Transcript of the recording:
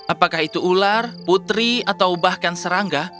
apakah itu ular putri atau bahkan serangga